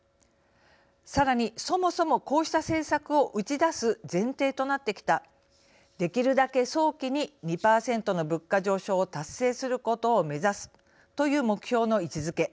さらにそもそもこうした政策を打ち出す前提となってきたできるだけ早期に２％の物価上昇を達成することを目指すという目標の位置づけ。